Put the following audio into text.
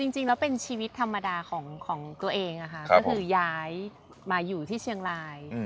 จริงแล้วเป็นชีวิตธรรมดาของตัวเองก็คือย้ายมาอยู่ที่เชียงราย